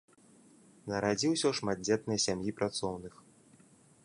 Нарадзіўся ў шматдзетнай сям'і працоўных.